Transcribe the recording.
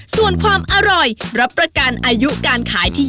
ส่วนความอร่อยรับประกันอายุการขายที่๒